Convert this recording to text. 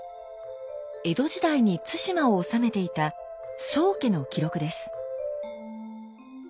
江戸時代に対馬を治めていた宗家の記録です。